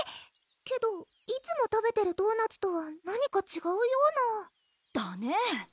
けどいつも食べてるドーナツとは何かちがうようなだね